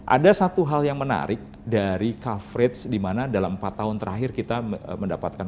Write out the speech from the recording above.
ada satu hal yang menarik dari coverage dimana dalam empat tahun terakhir kita mendapatkan